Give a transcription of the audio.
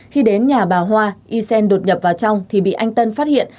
khi đến nhà bà hoa ysen đột nhập vào trong thì bị anh tân phát hiện